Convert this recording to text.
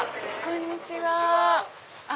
こんにちは。